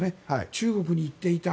中国に行っていた。